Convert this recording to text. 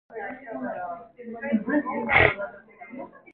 건배의 아내는 당장에 따라 일어서고 싶은 눈치였다.